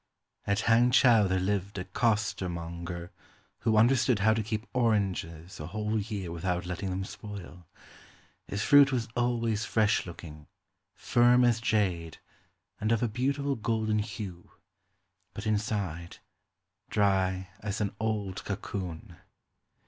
At Hangchow there lived a costermonger who under stood how to keep oranges a whole year without letting them spoil. His fruit was always fresh looking, firm as jade, and of a beautiful golden hue; but inside — dry as an old cocoon.